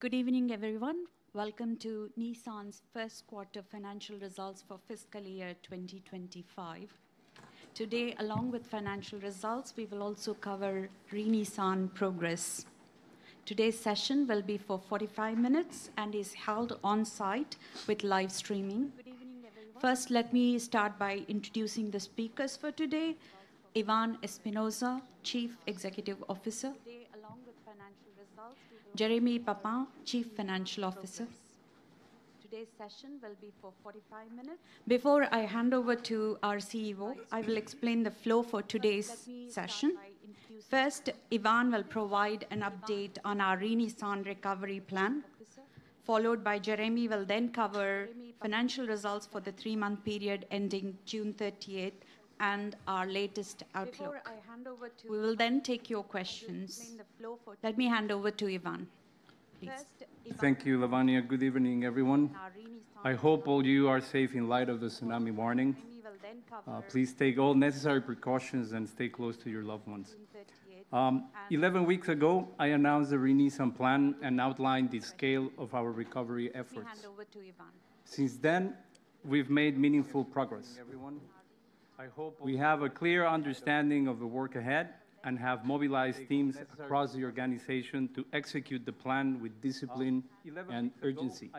Good evening everyone. Welcome to Nissan's first quarter financial results for fiscal year 2025. Today, along with financial results, we will also cover Re:Nissan progress. Today's session will be for 45 minutes and is held on site with live streaming. First, let me start by introducing the speakers for today. Ivan Espinosa, Chief Executive Officer, along with financial results. Jérémie Papin, Chief Financial Officer. Today's session will be for 45 minutes. Before I hand over to our CEO, I will explain the flow for today's session. First, Ivan will provide an update on our Re:Nissan recovery plan, followed by Jérémie, who will then cover financial results for the three month period ending June 30th and our latest outlook. We will then take your questions. Let me hand over to Ivan. Thank you, Lavanya. Good evening, everyone. I hope all of you are safe in light of the tsunami warning. Please take all necessary precautions and stay close to your loved ones. Eleven weeks ago, the Re:Nissan plan and outlined the scale of our recovery efforts. Since then, we've made meaningful progress. We have a clear understanding of the work ahead and have mobilized teams across the organization to execute the plan with discipline and urgency.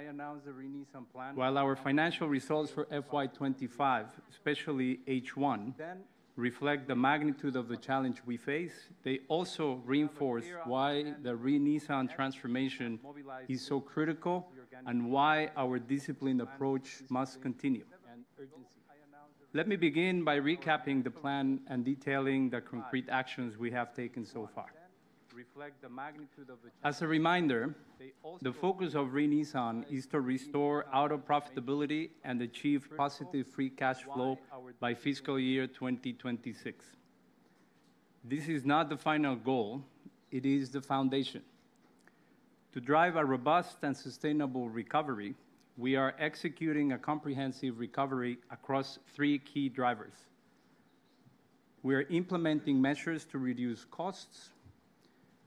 While our financial results for FY 2025, especially H1, reflect the magnitude of the challenge we face, they also reinforce why the RE Nissan transformation is so critical and why our disciplined approach must continue with urgency. Let me begin by recapping the plan and detailing the concrete actions we have taken so far. As a reminder, the focus of RE Nissan is to restore our profitability and achieve positive free cash flow by fiscal year 2026. This is not the final goal. It is the foundation to drive a robust and sustainable recovery. We are executing a comprehensive recovery across three key drivers. We are implementing measures to reduce costs.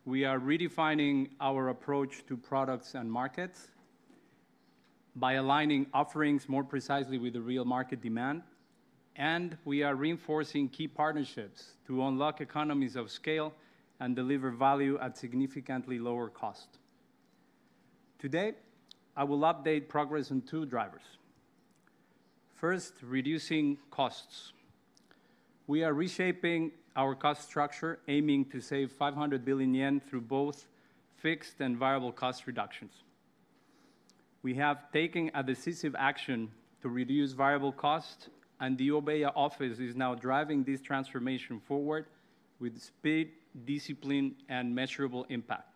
We are redefining our approach to products and markets by aligning offerings more precisely with the real market demand. We are reinforcing key partnerships to unlock economies of scale and deliver value at significantly lower cost. Today, I will update progress on two drivers. First, reducing costs. We are reshaping our cost structure, aiming to save 500 billion yen through both fixed and variable cost reductions. We have taken decisive action to reduce variable cost and the OBEYA office is now driving this transformation forward with speed, discipline, and measurable impact.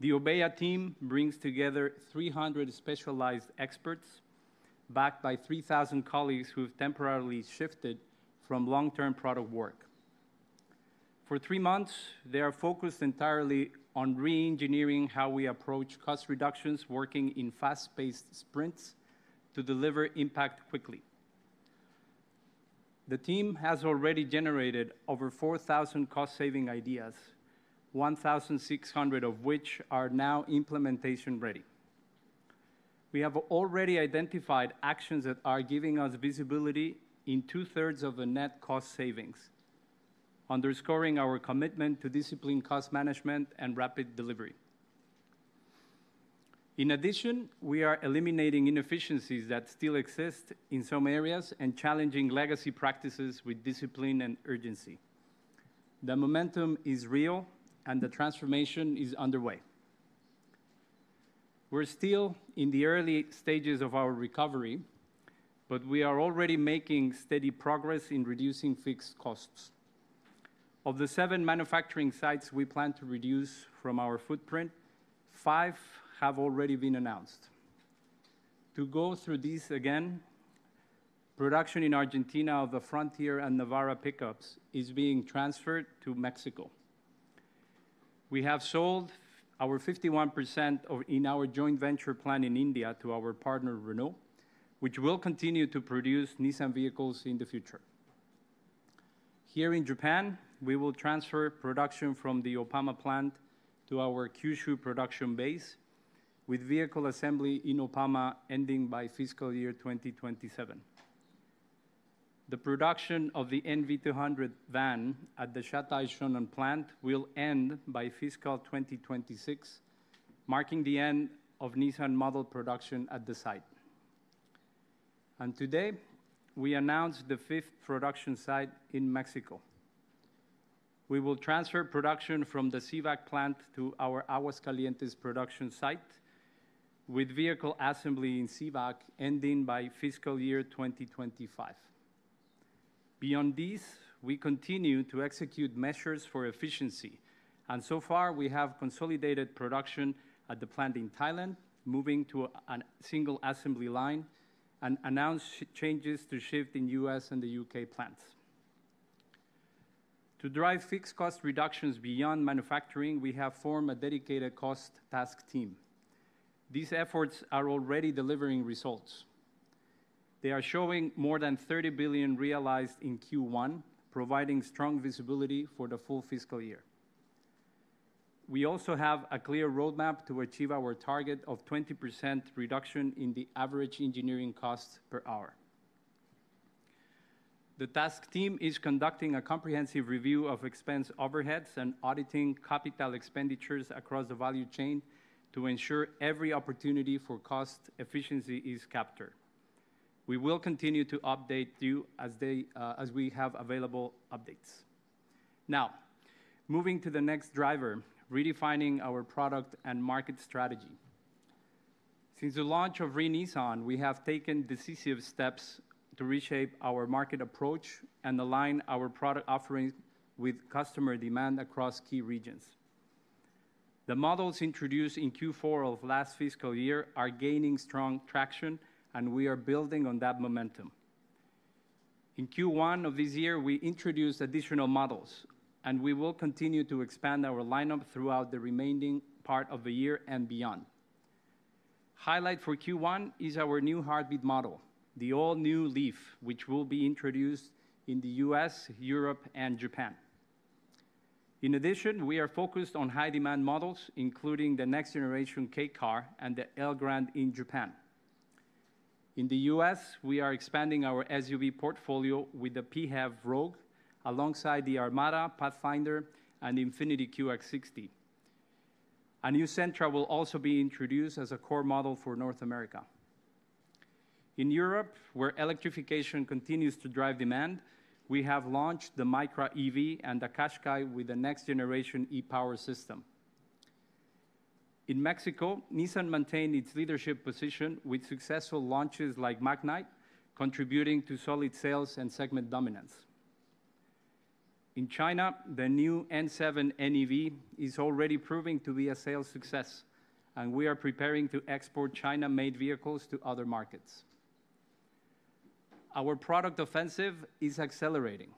The OBEYA team brings together 300 specialized experts backed by 3,000 colleagues who have temporarily shifted from long-term product work for three months. They are focused entirely on re-engineering how we approach cost reductions, working in fast-paced sprints to deliver impact quickly. The team has already generated over 4,000 cost-saving ideas, 1,600 of which are now implementation ready. We have already identified actions that are giving us visibility in two-thirds of the net cost savings, underscoring our commitment to disciplined cost management and rapid delivery. In addition, we are eliminating inefficiencies that still exist in some areas and challenging legacy practices with discipline and urgency. The momentum is real and the transformation is underway. We're still in the early stages of our recovery, but we are already making steady progress in reducing fixed costs. Of the seven manufacturing sites we plan to reduce from our footprint, five have already been announced to go through these again. Production in Argentina of the Frontier and Navara pickups is being transferred to Mexico. We have sold our 51% in our joint venture plant in India to our partner Renault, which will continue to produce Nissan vehicles in the future. Here in Japan, we will transfer production from the Oppama plant to our Kyushu production base, with vehicle assembly in Oppama ending by fiscal year 2027. The production of the NV200 van at the Shatai Shonan plant will end by fiscal 2026, marking the end of Nissan model production at the site. Today we announced the fifth production site in Mexico. We will transfer production from the Civac plant to our Aguascalientes production site, with vehicle assembly in Civac ending by fiscal year 2025. Beyond this, we continue to execute measures for efficiency and so far we have consolidated production at the plant in Thailand, moving to a single assembly line and announced changes to shifts in U.S. and U.K. plants to drive fixed cost reductions. Beyond manufacturing, we have formed a dedicated cost task team. These efforts are already delivering results. They are showing more than 30 billion realized in Q1, providing strong visibility for the full fiscal year. We also have a clear roadmap to achieve our target of 20% reduction in the average engineering costs per hour. The task team is conducting a comprehensive review of expense overheads and auditing capital expenditures across the value chain to ensure every opportunity for cost efficiency is captured. We will continue to update you as we have available updates. Now moving to the next driver redefining our product and market strategy. Since the the Re:Nissan plan, we have taken decisive steps to reshape our market approach and align our product offerings with customer demand across key regions. The models introduced in Q4 of last fiscal year are gaining strong traction and we are building on that momentum. In Q1 of this year, we introduced additional models and we will continue to expand our lineup throughout the remaining part of the year and beyond. Highlight for Q1 is our new Heartbeat model, the all-new Leaf, which will be introduced in the U.S., Europe, and Japan. In addition, we are focused on high demand models including the next generation Kei car and the Elgrand in Japan. In the U.S. we are expanding our SUV portfolio with the PHEV Rogue alongside the Armada, Pathfinder, and INFINITI QX60. A new Sentra will also be introduced as a core model for North America. In Europe, where electrification continues to drive demand, we have launched the Micra EV and a Qashqai with the next generation e-POWER system. In Mexico, Nissan maintained its leadership position with successful launches like Magnite contributing to solid sales and segment dominance. In China, the new N7 is already proving to be a sales success and we are preparing to export China-made vehicles to other markets. Our product offensive is accelerating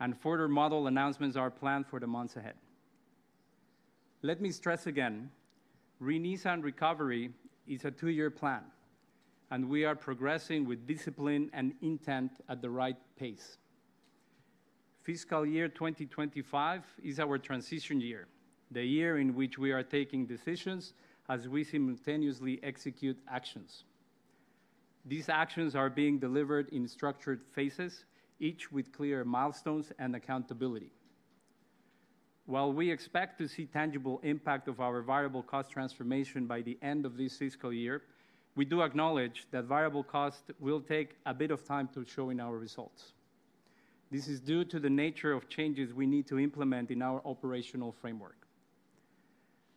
and further model announcements are planned for the months ahead. Let me again, Re:Nissan is a two year plan and we are progressing with discipline and intent at the right pace. Fiscal year 2025 is our transition year, the year in which we are taking decisions as we simultaneously execute actions. These actions are being delivered in structured phases, each with clear milestones and accountability. While we expect to see tangible impact of our variable cost transformation by the end of this fiscal year, we do acknowledge that variable cost will take a bit of time to show in our results. This is due to the nature of changes we need to implement in our operational framework.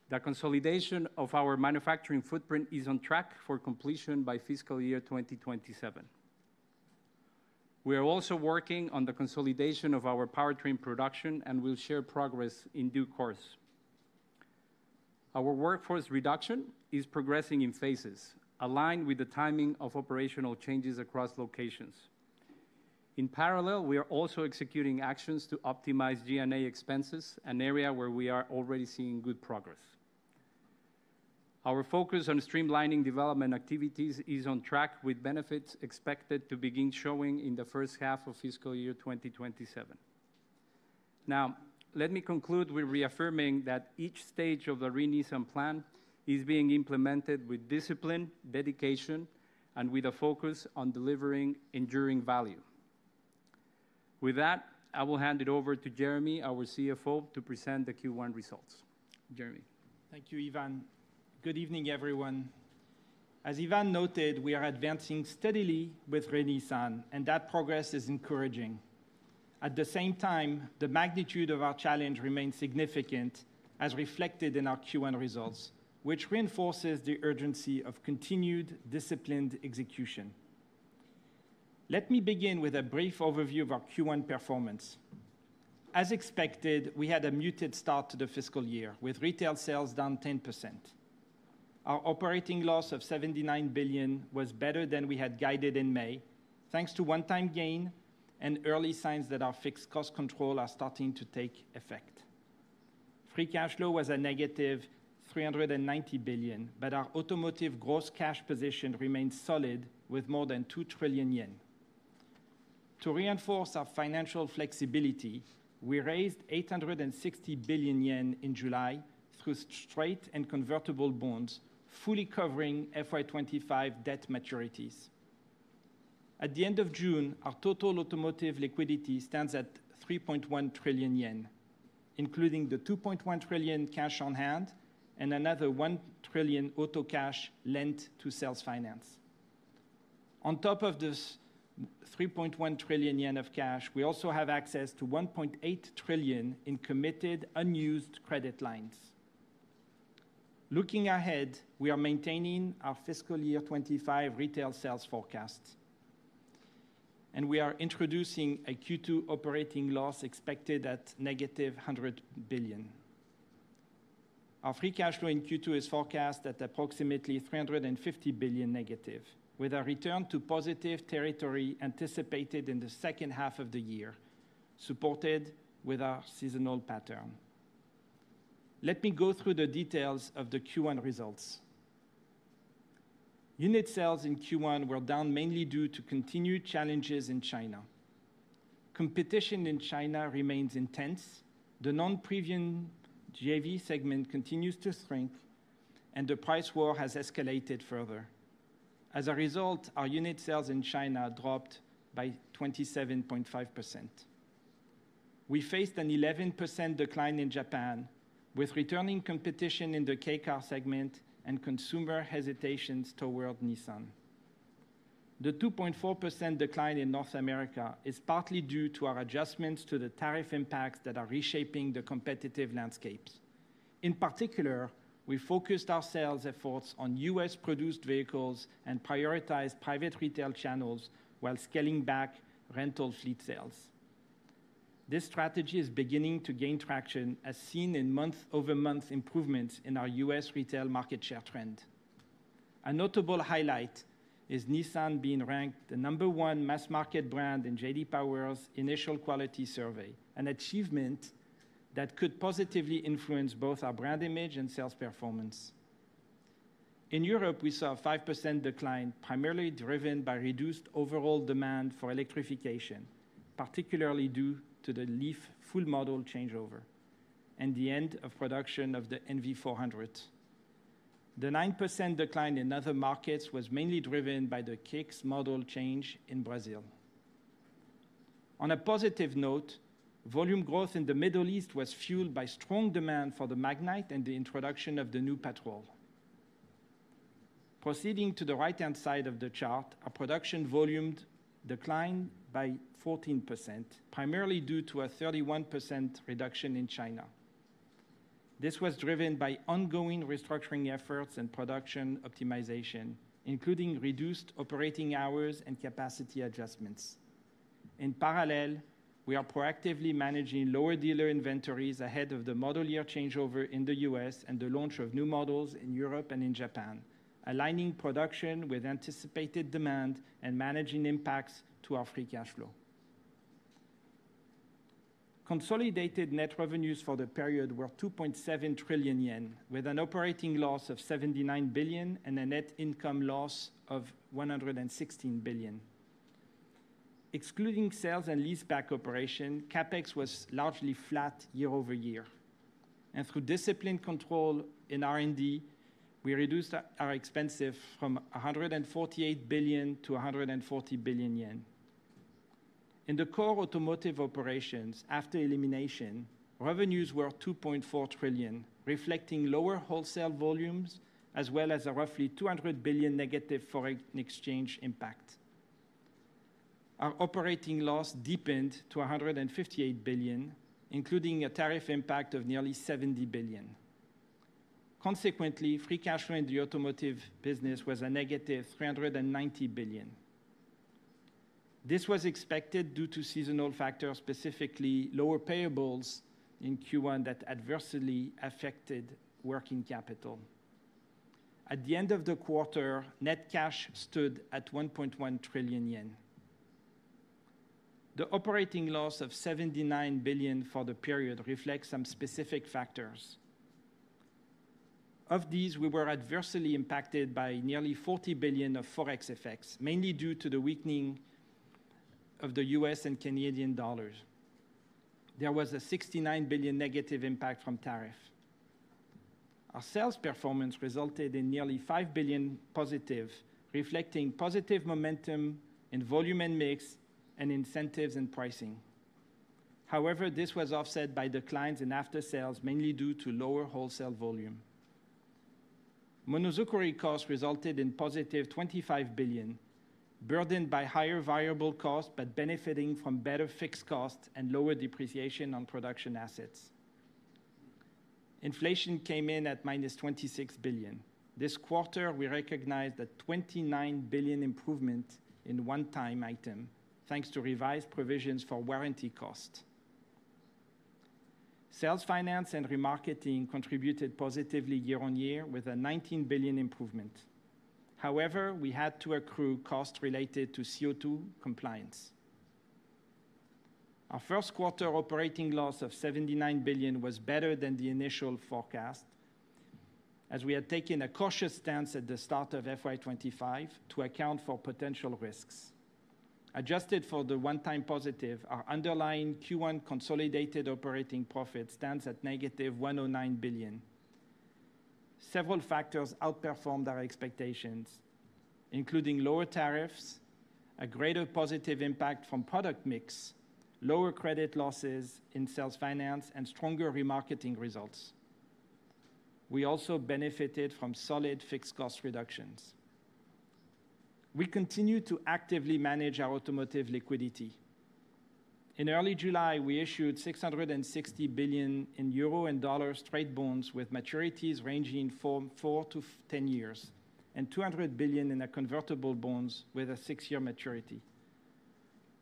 The consolidation of our manufacturing footprint is on track for completion by fiscal year 2027. We are also working on the consolidation of our powertrain production and will share progress in due course. Our workforce reduction is progressing in phases aligned with the timing of operational changes across locations. In parallel, we are also executing actions to optimize G&A expenses, an area where we are already seeing good progress. Our focus on streamlining development activities is on track, with benefits expected to begin showing in the first half of fiscal year 2027. Now let me conclude with reaffirming that each stage Re:Nissan plan is being implemented with discipline, dedication, and with a focus on delivering enduring value. With that, I will hand it over to Jérémie, our CFO, to present the Q1 results. Jeremy, thank you. Ivan, good evening everyone. As Ivan noted, we are advancing steadily with Re:Nissan and that progress is encouraging. At the same time, the magnitude of our challenge remains significant as reflected in our Q1 results, which reinforces the urgency of continued disciplined execution. Let me begin with a brief overview of our Q1 performance. As expected, we had a muted start to the fiscal year, with retail sales down 10%. Our operating loss of 79 billion was better than we had guided in May thanks to a one-time gain and early signs that our fixed cost control are starting to take effect. Free cash flow was a negative 390 billion, but our automotive gross cash position remains solid with more than 2 trillion yen. To reinforce our financial flexibility, we raised 860 billion yen in July through straight and convertible bonds, fully covering FY 2025 debt maturities. At the end of June, our total automotive liquidity stands at 3.1 trillion yen, including the 2.1 trillion cash on hand and another 1 trillion auto cash lent to sales finance. On top of this 3.1 trillion yen of cash, we also have access to 1.8 trillion in committed unused credit lines. Looking ahead, we are maintaining our fiscal year 2025 retail sales forecast and we are introducing a Q2 operating loss expected at negative 100 billion. Our free cash flow in Q2 is forecast at approximately -350 billion with a return to positive territory anticipated in the second half of the year supported with our seasonal pattern. Let me go through the details of the Q1 results. Unit sales in Q1 were down mainly due to continued challenges in China. Competition in China remains intense, the non-premium JV segment continues to shrink and the price war has escalated further. As a result, our unit sales in China dropped by 27.5%. We faced an 11% decline in Japan with returning competition in the Kei car segment and consumer hesitations toward Nissan. The 2.4% decline in North America is partly due to our adjustments to the tariff impacts that are reshaping the competitive landscapes. In particular, we focused our sales efforts on U.S. produced vehicles and prioritized private retail channels while scaling back rental fleet sales. This strategy is beginning to gain traction as seen in month-over-month improvements in our U.S. retail market share trend. A notable highlight is Nissan being ranked the number one mass market brand in J.D. Power's initial quality survey, an achievement that could positively influence both our brand image and sales performance. In Europe, we saw a 5% decline, primarily driven by reduced overall demand for electrification, particularly due to the Leaf full model changeover and the end of production of the NV400. The 9% decline in other markets was mainly driven by the Kicks model change in Brazil. On a positive note, volume growth in the Middle East was fueled by strong demand for the Magnite and the introduction of the new petrol. Proceeding to the right-hand side of the chart, our production volume declined by 14%, primarily due to a 31% reduction in China. This was driven by ongoing restructuring efforts and production optimization, including reduced operating hours and capacity adjustments. In parallel, we are proactively managing lower dealer inventories ahead of the model year changeover in the U.S. and the launch of new models in Europe and in Japan, aligning production with anticipated demand and managing impacts to our free cash flow. Consolidated net revenues for the period were 2.7 trillion yen with an operating loss of 79 billion and a net income loss of 116 billion. Excluding sales and leaseback operation, CapEx was largely flat year over year and through disciplined control in R&D, we reduced our expenses from 148 billion to 140 billion yen. In the core automotive operations, after elimination, revenues were 2.4 trillion, reflecting lower wholesale volumes as well as a roughly -200 billion foreign exchange impact. Our operating loss deepened to 158 billion, including a tariff impact of nearly 70 billion. Consequently, free cash flow in the automotive business was a negative 390 billion. This was expected due to seasonal factors, specifically lower payables in Q1 that adversely affected working capital. At the end of the quarter, net cash stood at 1.1 trillion yen. The operating loss of 79 billion for the period reflects some specific factors. Of these, we were adversely impacted by nearly 40 billion of forex effects, mainly due to the weakening of the U.S. and Canadian dollars. There was a 69 billion negative impact from tariff. Our sales performance resulted in nearly 5 billion+, reflecting positive momentum in volume and mix and incentives and pricing. However, this was offset by declines in after sales, mainly due to lower wholesale volume. Monozukuri costs resulted in positive 25 billion, burdened by higher variable cost but benefiting from better fixed cost and lower depreciation on production assets. Inflation came in at -26 billion this quarter. We recognized a 29 billion improvement in one time item thanks to revised provisions for warranty cost. Sales finance and remarketing contributed positively year-on-year with a 19 billion improvement. However, we had to accrue costs related to CO2 compliance. Our first quarter operating loss of 79 billion was better than the initial forecast as we had taken a cautious stance at the start of FY 2025 to account for potential risks. Adjusted for the one time positive, our underlying Q1 consolidated operating profit stands at negative 109 billion. Several factors outperformed our expectations, including lower tariffs, a greater positive impact from product mix, lower credit losses in sales finance and stronger remarketing results. We also benefited from solid fixed cost reductions. We continue to actively manage our automotive liquidity. In early July we issued 660 billion in euro and dollar straight bonds with maturities ranging from 4 to 10 years and 200 billion in convertible bonds with a 6 year maturity.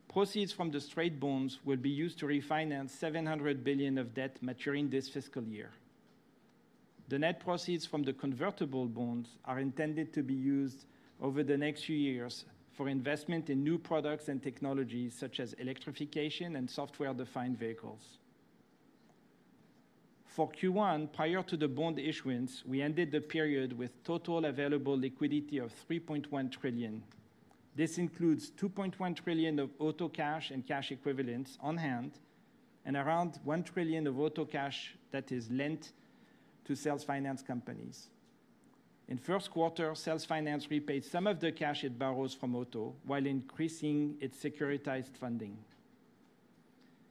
Proceeds from the straight bonds will be used to refinance 700 billion of debt maturing this fiscal year. The net proceeds from the convertible bonds are intended to be used over the next few years for investment in new products and technologies such as electrification and software. Defined vehicles for Q1 prior to the bond issuance, we ended the period with total available liquidity of 3.1 trillion. This includes 2.1 trillion of auto cash and cash equivalents on hand and around 1 trillion of auto cash that is lent to sales finance companies in first quarter. Sales finance repaid some of the cash it borrows from auto while increasing its securitized funding.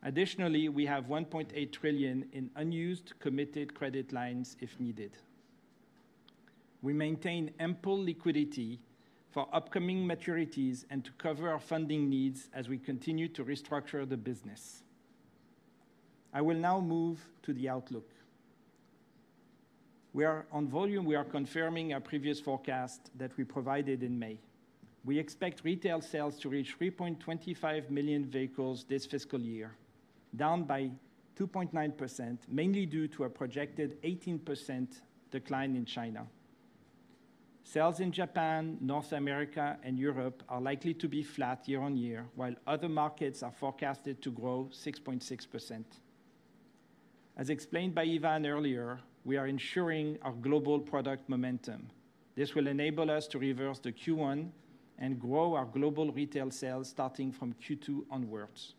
Additionally, we have 1.8 trillion in unused committed credit lines if needed. We maintain ample liquidity for upcoming maturities and to cover our funding needs as we continue to restructure the business. I will now move to the outlook on volume. We are confirming our previous forecast that we provided in May. We expect retail sales to reach 3.25 million vehicles this fiscal year, down by 2.9% mainly due to a projected 18% decline in China. Sales in Japan, North America and Europe are likely to be flat year-on-year while other markets are forecasted to grow 6.6%. As explained by Ivan earlier, we are ensuring our global product momentum. This will enable us to reverse the Q1 and grow our global retail sales starting from Q2 onwards.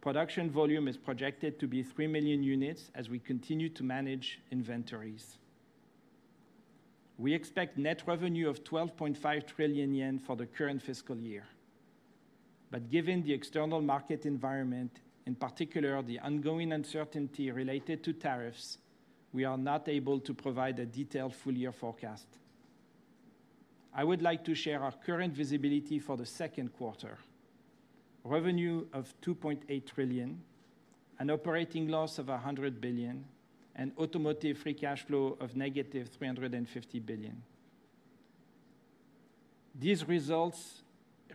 Production volume is projected to be 3 million units as we continue to manage inventories. We expect net revenue of 12.5 trillion yen for the current fiscal year. Given the external market environment, in particular the ongoing uncertainty related to tariffs, we are not able to provide a detailed full year forecast. I would like to share our current visibility for the second quarter: revenue of 2.8 trillion, an operating loss of 100 billion, and automotive free cash flow of negative 350 billion. These results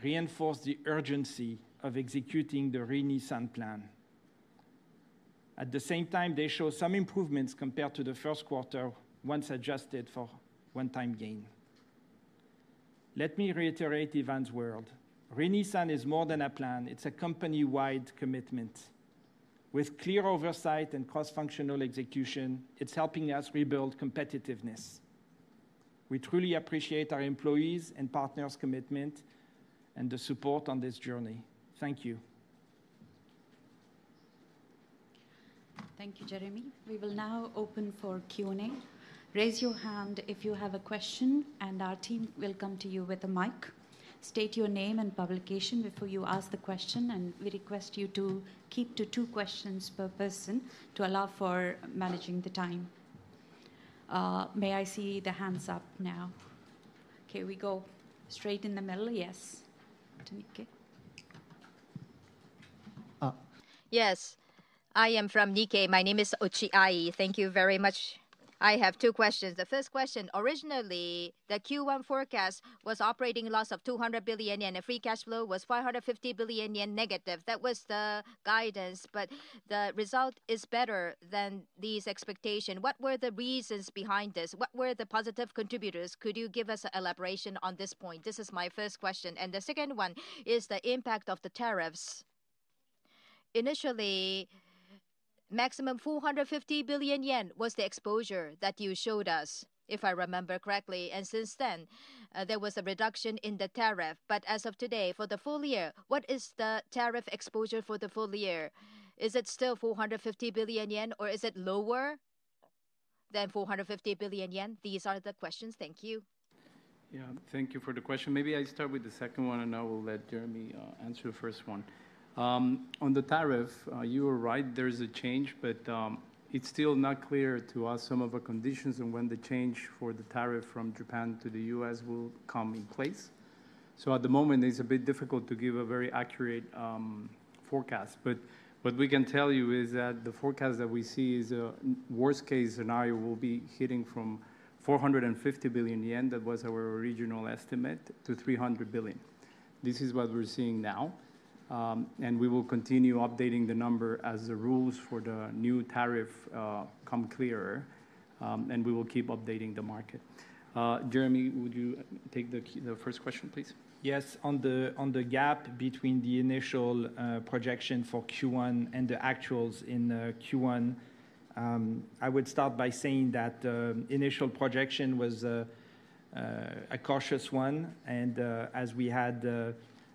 reinforce the urgency Re:Nissan plan. at the same time, they show some improvements compared to the first quarter once adjusted for one-time gain. Let me reiterate Ivan's words: Re:Nissan is more than a plan. It's a company-wide commitment with clear oversight and cross-functional execution. It's helping us rebuild competitiveness. We truly appreciate our employees' and partners' commitment and the support on this journey. Thank you. Thank you, Jérémie. We will now open for Q and A. Raise your hand if you have a question, and our team will come to you with a mic. State your name and publication before you ask the question. We request you to keep to two questions per person to allow for managing the time. May I see the hands up now? Can we go straight in the middle? Yes. Yes. I am from Nikkei, my name is Ochiai. Thank you very much. I have two questions. The first question: originally the Q1 forecast was operating loss of 200 billion yen and free cash flow was 550 billion yen negative. That was the guidance. The result is better than these expectations. What were the reasons behind this? What were the positive contributors? Could you give us an elaboration on this point? This is my first question. The second one is the impact of the tariffs. Initially, maximum 450 billion yen was the exposure that you showed us, if I remember correctly. Since then there was a reduction in the tariff. As of today for the full year, what is the tariff exposure for the full year? Is it still 450 billion yen or is it lower than 450 billion yen? These are the questions. Thank you. Yeah, thank you for the question. Maybe I start with the second one and I will let Jérémie answer the first one. On the tariff, you are right, there is a change, but it's still not clear to us some of the conditions and when the change for the tariff from Japan to the U.S. will come in place. At the moment it's a bit difficult to give a very accurate forecast. What we can tell you is that the forecast that we see is a worst case scenario will be hitting from 450 billion yen, that was our original estimate, to 300 billion. This is what we're seeing now and we will continue updating the number as the rules for the new tariff come clearer and we will keep updating the market. Jérémie, would you take the first question please? Yes. On the gap between the initial projection for Q1 and the actuals in Q1, I would start by saying that initial projection was a cautious one as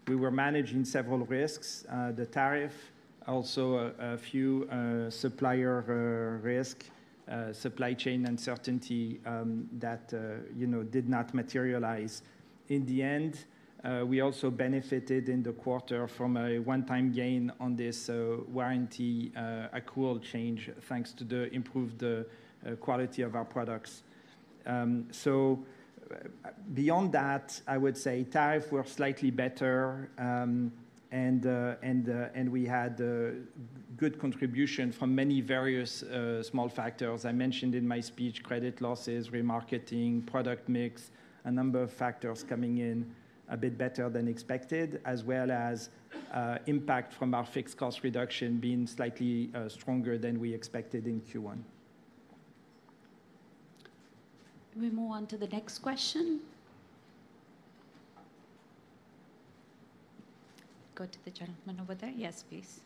we were managing several risks, the tariff, also a few supplier risk, supply chain uncertainty that did not materialize in the end. We also benefited in the quarter from a one-time gain on this warranty accrual change thanks to improved quality of our products. Beyond that, I would say tariffs were slightly better and we had good contribution from many various small factors I mentioned in my speech, credit losses, remarketing, product mix, a number of factors coming in a bit better than expected as well as impact from our fixed cost reduction being slightly stronger than we expected in Q1. We move on to the next question. Go to the gentleman over there. Yes, please.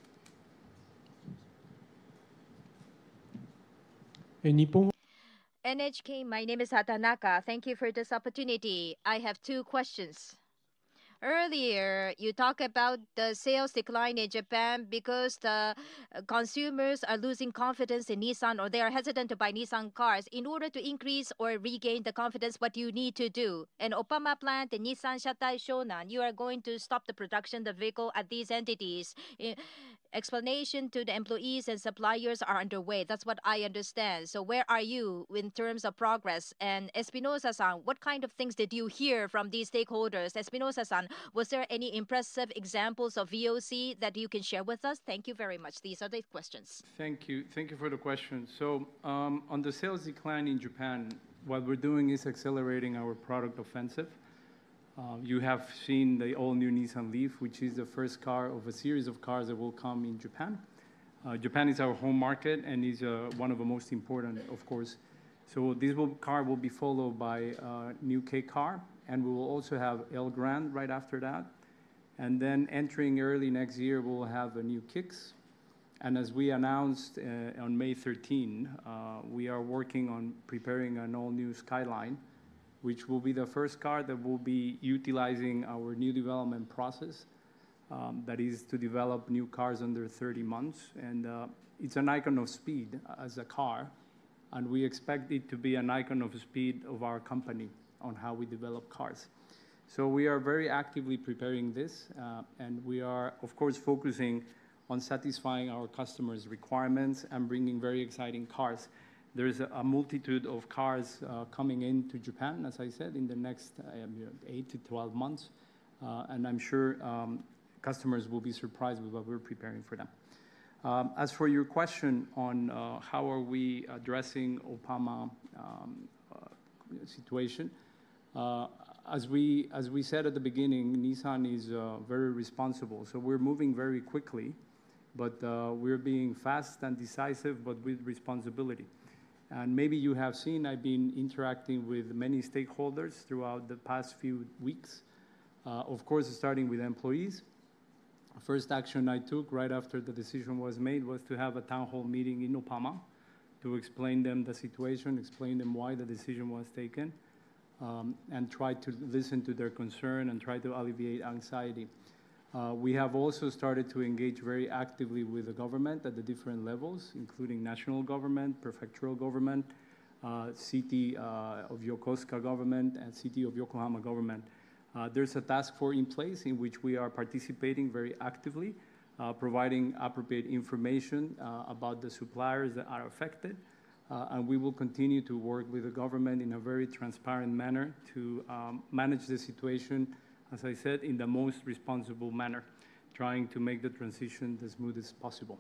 NHK. My name is Atanaka. Thank you for this opportunity. I have two questions. Earlier you talk about the sales decline in Japan because the consumers are losing confidence in Nissan or they are hesitant to buy Nissan cars. In order to increase or regain the confidence, what you need to do and Oppama plant, the Nissan Shatai Shonan, you are going to stop the production of the vehicle at these entities. Explanation to the employees and suppliers are underway. That's what I understand. Where are you in terms of progress? Espinosa-san, what kind of things did you hear from these stakeholders? Espinosa-san, was there any impressive examples of VOC that you can share with us? Thank you very much. These are the questions. Thank you. Thank you for the question. On the sales decline in Japan, what we're doing is accelerating our product offensive. You have seen the all-new Nissan Leaf, which is the first car of a series of cars that will come in Japan. Japan is our home market and is one of the most important, of course. This car will be followed by a new Kei car, and we will also have Elgrand right after that. Entering early next year, we'll have a new Kicks. As we announced on May 13, we are working on preparing an all-new Nissan Skyline, which will be the first car that will be utilizing our new development process that is to develop new cars under 30 months. It's an icon of speed as a car, and we expect it to be an icon of speed of our company on how we develop cars. We are very actively preparing this, and we are of course focusing on satisfying our customers' requirements and bringing very exciting cars. There is a multitude of cars coming into Japan, as I said, in the next eight to 12 months, and I'm sure customers will be surprised with what we're preparing for them. As for your question on how we are addressing the Oppama situation, as we said at the beginning, Nissan is very responsible, so we're moving very quickly. We're being fast and decisive but with responsibility. Maybe you have seen I've been interacting with many stakeholders throughout the past few weeks, of course, starting with employees. The first action I took right after the decision was made was to have a town hall meeting in Oppama to explain to them the situation, explain to them why the decision was taken, and try to listen to their concerns and try to alleviate anxiety. We have also started to engage very actively with the government at the different levels, including national government, prefectural government, City of Yokosuka government, and City of Yokohama government. There's a task force in place in which we are participating very actively, providing appropriate information about the suppliers that are affected. We will continue to work with the government in a very transparent manner to manage the situation, as I said, in the most responsible manner, trying to make the transition as smooth as possible.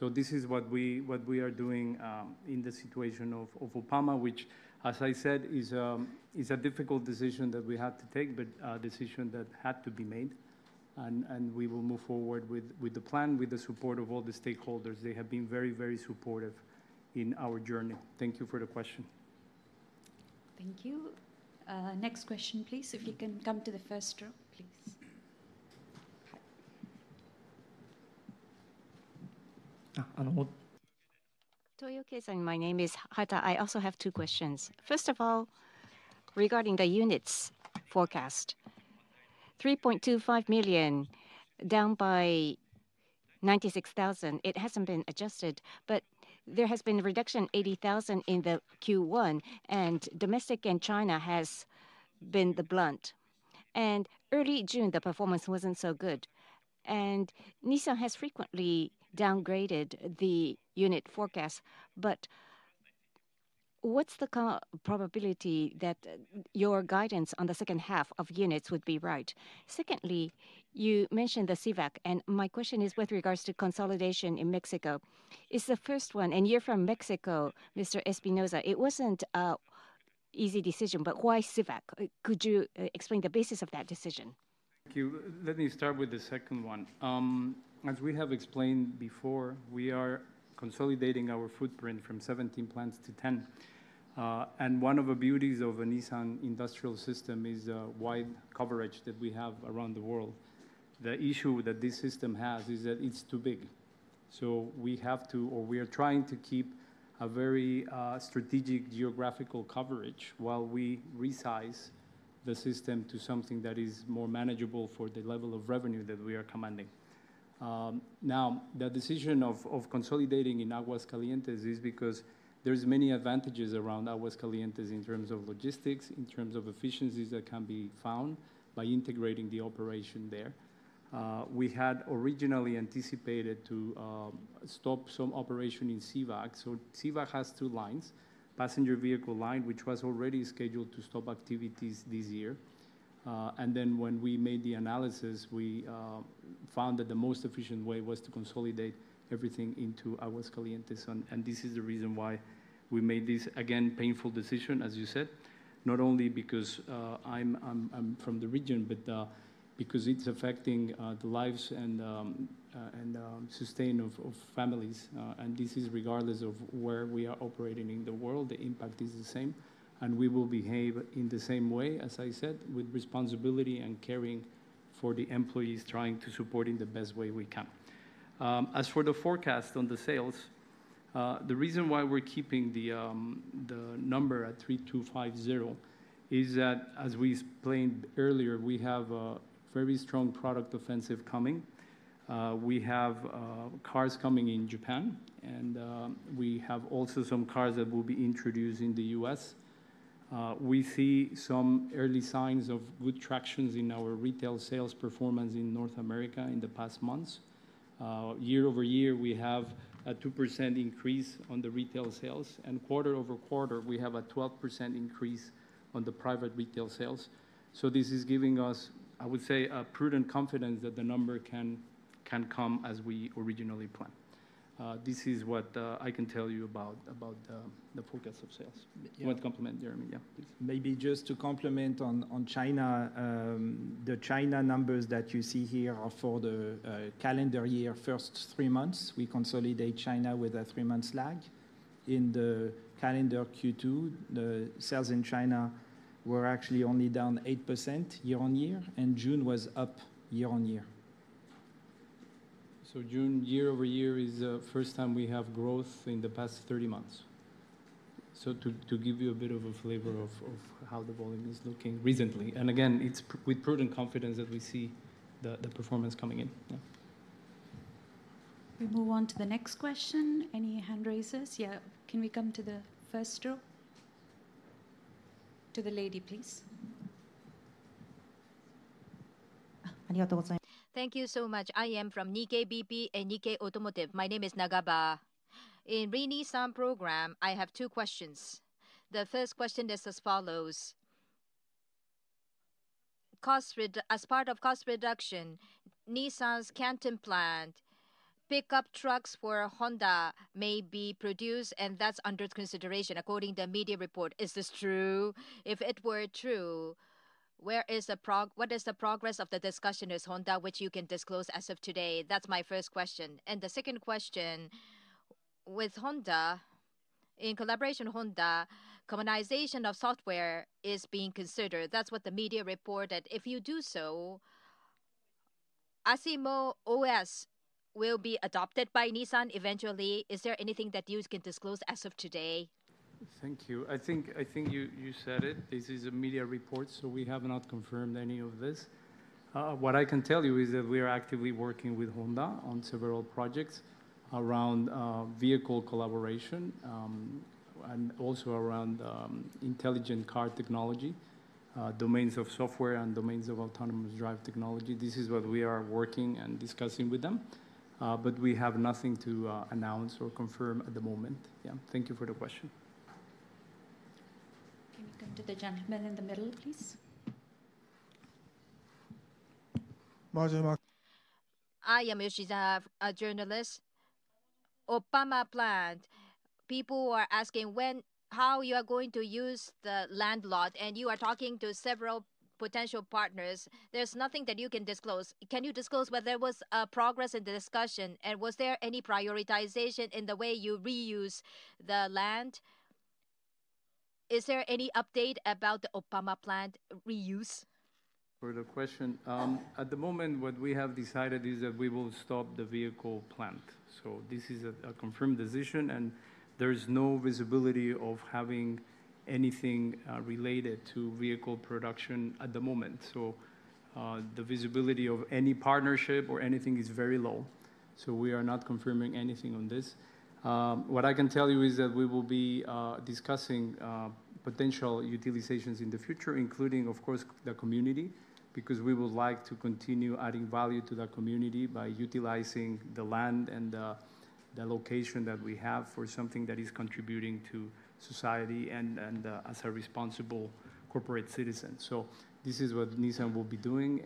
This is what we are doing in the situation of Oppama, which, as I said, is a difficult decision that we have to take, but a decision that had to be made, and we will move forward with the plan with the support of all the stakeholders. They have been very, very supportive in our journey. Thank you for the question. Thank you. Next question, please. If you can come to the first row, please. My name is Hata. I also have two questions. First of all, regarding the units forecast, 3.25 million down by 96,000. It hasn't been adjusted, but there has been a reduction, 80,000 in Q1, and domestic and China has been the blunt, and early June the performance wasn't so good, and Nissan has frequently downgraded the unit forecast. What's the probability that your guidance on the second half of units would be right? Secondly, you mentioned the Civac, and my question is with regards to consolidation in Mexico, is the first one, and you're from Mexico, Mr. Espinosa. It wasn't an easy decision, but why Civac? Could you explain the basis of that decision? Thank you. Let me start with the second one. As we have explained before, we are consolidating our footprint from 17 plants to 10. One of the beauties of a Nissan industrial system is the wide coverage that we have around the world. The issue that this system has is that it's too big, so we have to, or we are trying to, keep a very strategic geographical coverage while we resize the system to something that is more manageable for the level of revenue that we are commanding now. The decision of consolidating in Aguascalientes is because there are many advantages around Aguascalientes in terms of logistics, in terms of efficiencies that can be found by integrating the operation there. We had originally anticipated to stop some operation in Civac. Civac has two lines, passenger vehicle line which was already scheduled to stop activities this year. When we made the analysis, we found that the most efficient way was to consolidate everything into Aguascalientes. This is the reason why we made this, again, painful decision as you said, not only because I'm from the region, but because it's affecting the lives and sustain of families and this is regardless of where we are operating in the world. The impact is the same and we will behave in the same way, as I said, with responsibility and caring for the employees, trying to support in the best way we can. As for the forecast on the sales, the reason why we're keeping the number at 3, 2, 4 is that as we explained earlier, we have a very strong product offensive coming. We have cars coming in Japan and we have also some cars that will be introduced in the U.S. We see some early signs of good traction in our retail sales performance in North America. In the past months year over year, we have a 2% increase on the retail sales and quarter over quarter we have a 12% increase on the private retail sales. This is giving us, I would say, a prudent confidence that the number can come as we originally planned. This is what I can tell you about the forecast of sales. One compliment, Jeremy? Yeah, please. Maybe just to compliment on China. The China numbers that you see here are for the calendar year. First three months we consolidate China with a three-month lag in the calendar. Q2, the sales in China were actually only down 8% year-on-year, and June was up year-on-year. June year over year is the first time we have growth in the past 30 months. To give you a bit of a flavor of how the volume is looking recently, and again, it's with prudent confidence that we see the performance coming in. We move on to the next question. Any hand raises? Yeah, can we come to the first row to the lady, please? Thank you so much. I am from Nikkei BP and Nikkei Automotive. My name is Nagaba. In the Re:Nissan program, I have two questions. The first question is as follows. Cost reduction, as part of cost reduction, Nissan's Canton plant pickup trucks for Honda may be produced and that's under consideration according to media report. Is this true? If it were true, what is the progress of the discussion? Is there anything with Honda which you can disclose as of today? That's my first question. The second question, with Honda in collaboration, Honda commonization of software is being considered. That's what the media reported. If you do so, Asimo OS will be adopted by Nissan eventually. Is there anything that you can disclose as of today? Thank you. I think you said it. This is a media report, so we have not confirmed any of this. What I can tell you is that we are actively working with Honda on several projects around vehicle collaboration and also around intelligent car technology, domains of software, and domains of autonomous drive technology. This is what we are working and discussing with them. We have nothing to announce or confirm at the moment. Thank you for the question. Can you come to the gentleman in the middle, please? I am a journalist. Oppama plant people are asking when and how you are going to use the land, and you are talking to several potential partners. There's nothing that you can disclose. Can you disclose whether there was progress in the discussion, and was there any prioritization in the way you reuse the land? Is there any update about the Oppama plant reuse? Further question at the moment, what we have decided is that we will stop the vehicle plant. This is a confirmed decision, and there is no visibility of having anything related to vehicle production at the moment. The visibility of any partnership or anything is very low. We are not confirming anything on this. What I can tell you is that we will be discussing potential utilizations in the future, including, of course, the community. We would like to continue adding value to the community by utilizing the land and the location that we have for something that is contributing to society and as a responsible corporate citizen. This is what Nissan will be doing.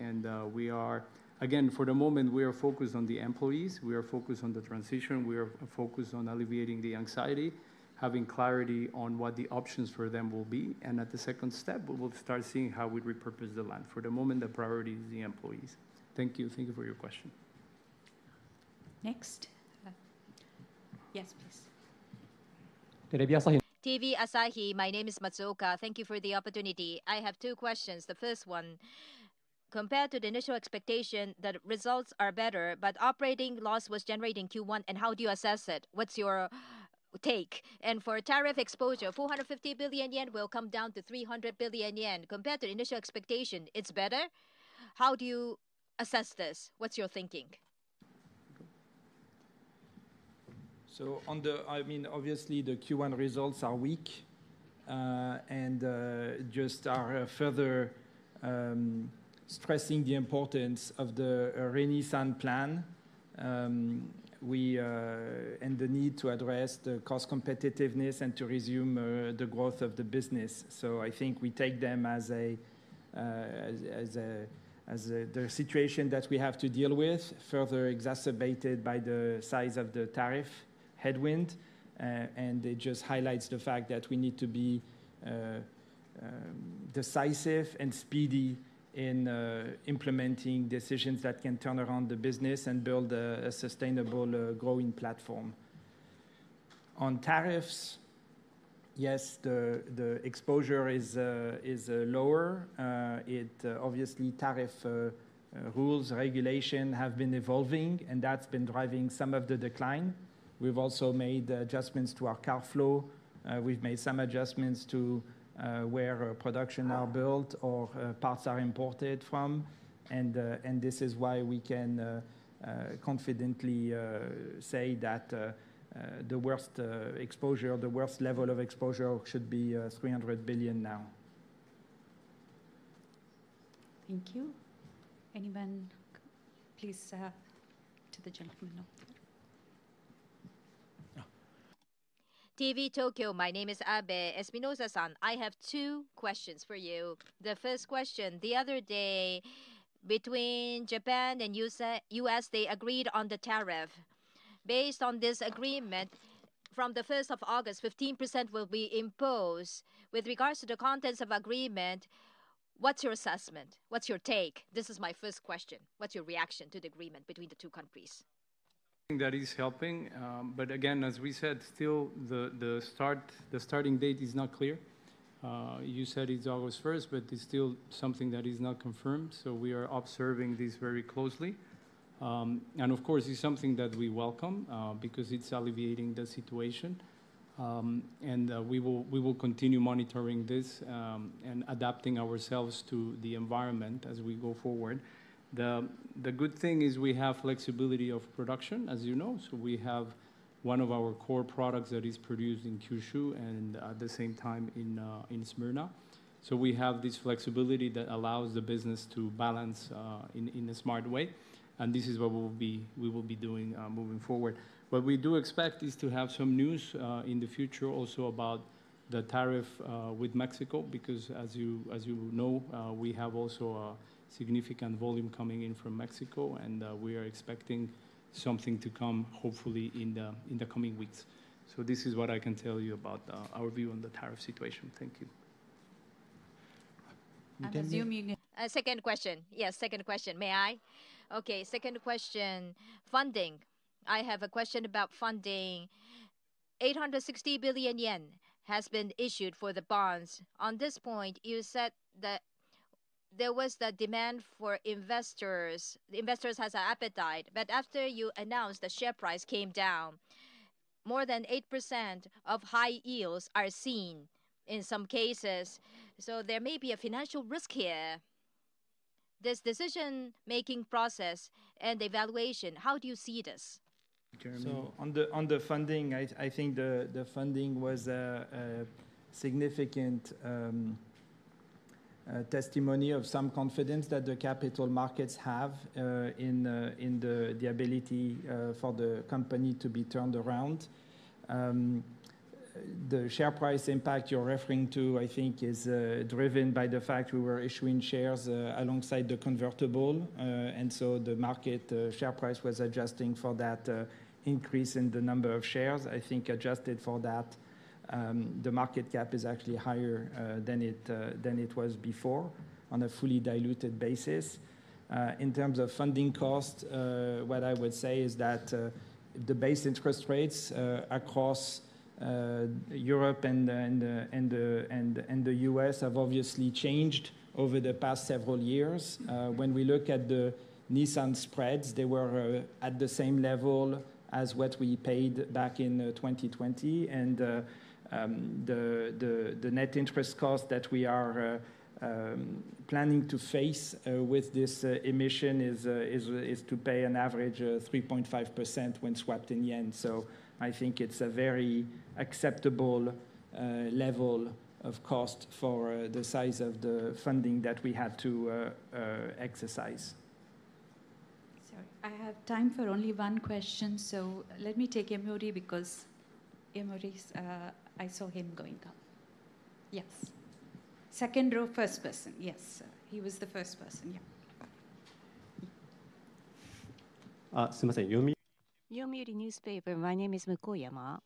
For the moment, we are focused on the employees, we are focused on the transition, we are focused on alleviating the anxiety, having clarity on what the options for them will be. At the second step, we will start seeing how we repurpose the land. For the moment, the priority is the employees. Thank you. Thank you for your question. Next, yes, please. TV Asahi. My name is Matsuoka. Thank you for the opportunity. I have two questions. The first one, compared to the initial expectation that results are better, but operating loss was generated in Q1. How do you assess it? What's your take? For tariff exposure, 450 billion yen will come down to 300 billion yen. Compared to initial expectation, it's better. How do you assess this? What's your thinking? Obviously the Q1 results are weak and just are further stressing the importance of the Re:Nissan plan and the need to address the cost competitiveness and to resume the growth of the business. I think we take them as the situation that we have to deal with, further exacerbated by the size of the tariff headwind. It just highlights the fact that we need to be decisive and speedy in implementing decisions that can turn around the business and build a sustainable, growing platform. On tariffs, yes, the exposure is lower. Obviously tariff rules, regulation have been evolving and that's been driving some of the decline. We've also made adjustments to our car flow. We've made some adjustments to where production are built or parts are imported from. This is why we can confidently say that the worst exposure, the worst level of exposure should be 300 billion now. Thank you. Anyone, please to the gentleman. My name is Abe. Espinosa-san, I have two questions for you. The first question, the other day between Japan and U.S., they agreed on the tariff. Based on this agreement, from the 1st of August, 15% will be imposed with regards to the contents of agreement. What's your assessment? What's your take? This is my first question. What's your reaction to the agreement between the two countries? That is helping. As we said, still the start, the starting date is not clear. You said it's August 1, but it's still something that is not confirmed. We are observing this very closely and of course it's something that we welcome because it's alleviating the situation. We will continue monitoring this and adapting ourselves to the environment as we go forward. The good thing is we have flexibility of production, as you know. We have one of our core products that is produced in Kyushu and at the same time in Smyrna. We have this flexibility that allows the business to balance in a smart way. This is what we will be doing moving forward. What we do expect is to have some news in the future also about the tariff with Mexico because, as you know, we have also a significant volume coming in from Mexico and we are expecting something to come hopefully in the coming weeks. This is what I can tell you about our view on the tariff situation. Thank you. Second question. May I? Okay. Second question. Funding. I have a question about funding. 860 billion yen has been issued for the bonds. On this point, you said that there was the demand for investors. The investors have an appetite. After you announced, the share price came down, more than 8% of high yields are seen in some cases. There may be a financial risk here. This decision making process and evaluation, how. Do you see this on the funding? I think the funding was significant testimony of some confidence that the capital markets have in the ability for the company to be turned around. The share price impact you're referring to I think is driven by the fact we were issuing shares alongside the convertible. The market share price was adjusting for that increase in the number of shares. I think adjusted for that, the market cap is actually higher than it was before on a fully diluted basis. In terms of funding cost, what I would say is that the base interest rates across Europe and the U.S. have obviously changed over the past several years. When we look at the Nissan spreads, they were at the same level as what we paid back in 2020. The net interest cost that we are planning to face with this emission is to pay an average 3.5% when swapped in yen. I think it's a very acceptable level of cost for the size of the funding that we had to exercise. I have time for only one question. Let me take Yomiuri, because Yomiuri, I saw him going up. Yes, second row, first person. Yes, he was the first person. Yeah. Yomiuri Newspaper. My name is Mukoyama.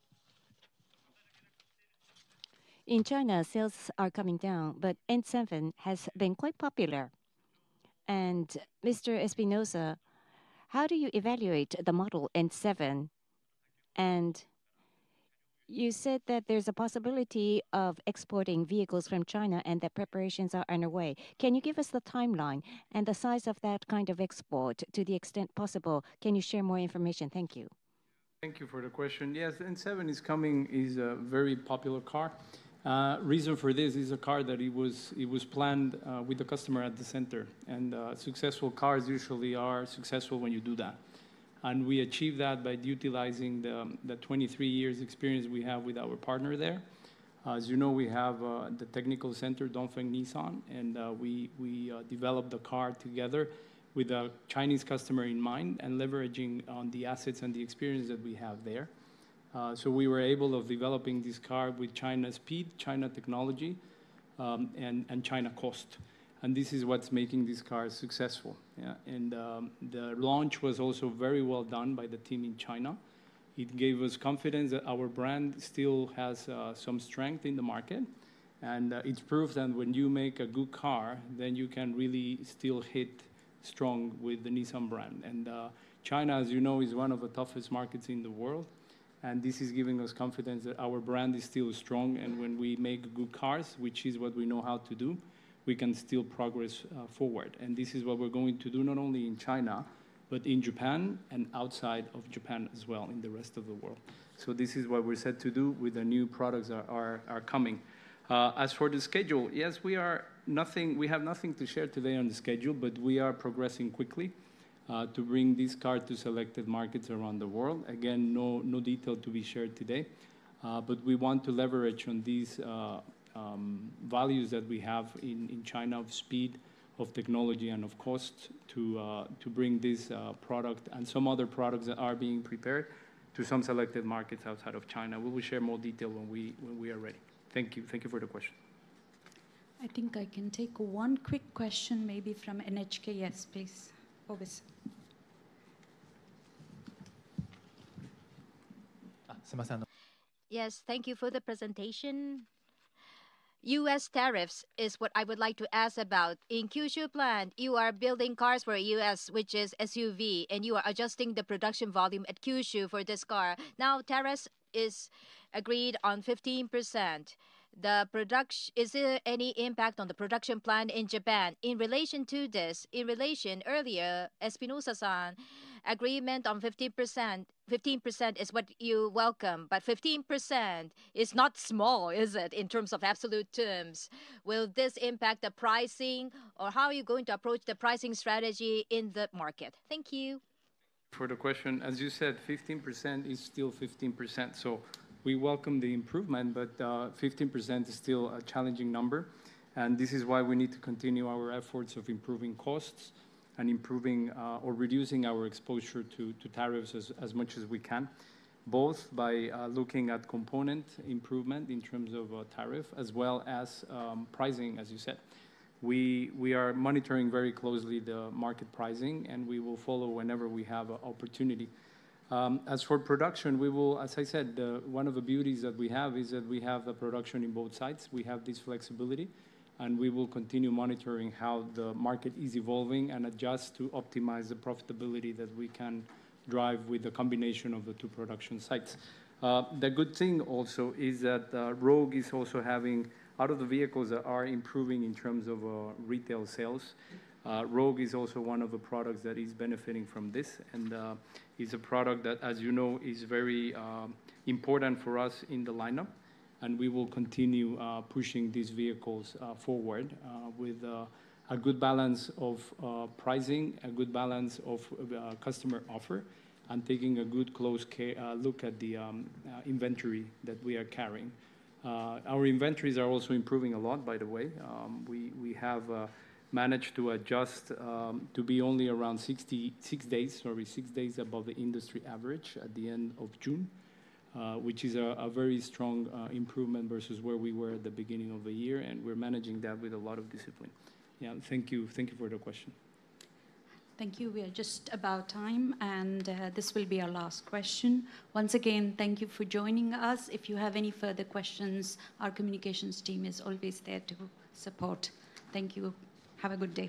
In China, sales are coming down, but N7 has been quite popular. Mr. Espinosa, how do you evaluate the model N7? You said that there's a possibility of exporting vehicles from China and that preparations are underway. Can you give us the timeline and the size of that kind of export? To the extent possible, can you share more information? Thank you. Thank you for the question. Yes, N7 is coming. It is a very popular car. The reason for this is it is a car that was planned with the customer at the center. Successful cars usually are successful when you do that. We achieve that by utilizing the 23 years' experience we have with our partner there. As you know, we have the technical center, DongFeng Nissan, and we developed the car together with a Chinese customer in mind and leveraging on the assets and the experience that we have there. We were able to develop this car with China speed, China technology, and China cost. This is what's making these cars successful. The launch was also very well done by the team in China. It gave us confidence that our brand still has some strength in the market. It is proof that when you make a good car, you can really still hit strong with the Nissan brand. China, as you know, is one of the toughest markets in the world. This is giving us confidence that our brand is still strong. When we make good cars, which is what we know how to do, we can still progress forward. This is what we're going to do not only in China, but in Japan and outside of Japan as well in the rest of the world. This is what we're set to do with the new products that are coming. As for the schedule, we have nothing to share today on the schedule, but we are progressing quickly to bring this car to selected markets around the world. Again, no detail to be shared today, but we want to leverage these values that we have in China of speed, of technology, and of course to bring this product and some other products that are being prepared to some selected markets outside of China. We will share more detail when we are ready. Thank you. Thank you for the question. I think I can take one quick question maybe from NHK, please. Yes, thank you for the presentation. U.S. tariffs is what I would like to ask about. In Kyushu plant you are building cars for U.S. which is SUV and you are adjusting the production volume at Kyushu for this car. Now tariff is agreed on 15%. Is there any impact on the production plan in Japan in relation to this? In relation earlier, Espinosa-san, agreement on 15% is what you welcome. 15% is not small, is it? In terms of absolute terms, will this impact the pricing or how are you going to approach the pricing strategy in the market? Thank you for the question. As you said, 15% is still 15%. We welcome the improvement, but 15% is still a challenging number and this is why we need to continue our efforts of improving costs and improving or reducing our exposure to tariffs as much as we can, both by looking at component improvement in terms of tariff as well as pricing. As you said, we are monitoring very closely the market pricing and we will follow whenever we have an opportunity. As for production, one of the beauties that we have is that we have the production in both sites. We have this flexibility and we will continue monitoring how the market is evolving and adjust to optimize the profitability that we can drive with the combination of the two production sites. The good thing also is that Rogue is also having out of the vehicles that are improving, improving in terms of retail sales. Rogue is also one of the products that is benefiting from this and is a product that, as you know, is very important for us in the lineup and we will continue pushing these vehicles forward with a good balance of pricing, a good balance of customer offer and taking a good close look at the inventory that we are carrying. Our inventories are also improving a lot. By the way, we have managed to adjust to be only around 66 days, sorry, six days above the industry average at the end of June, which is a very strong improvement versus where we were at the beginning of the year and we're managing that with a lot of discipline. Thank you. Thank you for the question. Thank you. We are just about out of time and this will be our last question. Once again, thank you for joining us. If you have any further questions, our communications team is always there to support. Thank you. Have a good day.